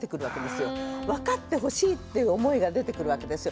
分かってほしいっていう思いが出てくるわけですよ。